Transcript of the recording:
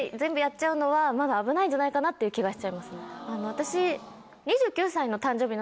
私。